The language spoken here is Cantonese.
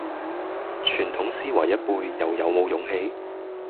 傳統思維一輩又有冇勇氣